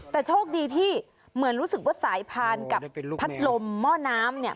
แต่โชคดีที่เหมือนรู้สึกว่าสายพานกับพัดลมหม้อน้ำ